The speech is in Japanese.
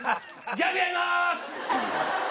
ギャグやります！